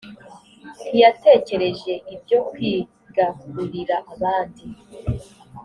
ntiyatekereje ibyo kwigarurira abandi